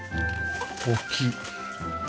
大きい。